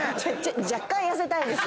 若干痩せたいです。